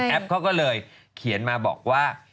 เขาก็เลยเขียนมาบอกว่า